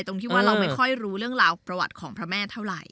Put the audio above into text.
ตรงที่ว่าเราไม่ค่อยรู้เรื่องราวประวัติของพระแม่เท่าไหร